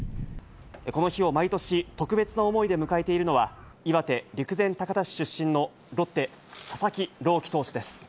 この日を毎年、特別な思いで迎えているのは、岩手・陸前高田市出身のロッテ、佐々木朗希投手です。